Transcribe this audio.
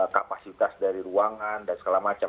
kapasitas dari ruangan dan segala macam